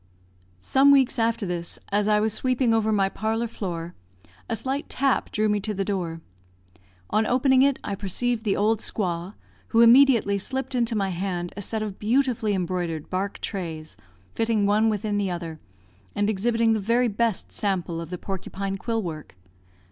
Some weeks after this, as I was sweeping over my parlour floor, a slight tap drew me to the door. On opening it I perceived the old squaw, who immediately slipped into my hand a set of beautifully embroidered bark trays, fitting one within the other, and exhibiting the very best sample of the porcupine quill work.